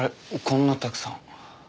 こんなたくさん。